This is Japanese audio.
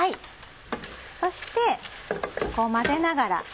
そして混ぜながら。